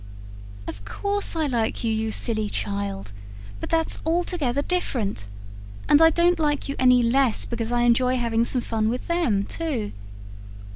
"Of course I like you, you silly child! But that's altogether different. And I don't like you any less because I enjoy having some fun with them, too."